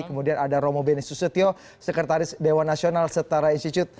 kemudian ada romo benesusetio sekretaris dewan nasional setara institute